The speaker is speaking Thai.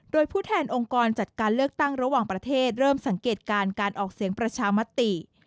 โดยผู้แทนองค์กรจัดการเลือกตั้งระหว่างประเทศเริ่มสังเกตการณ์การออกเสียงประชามติ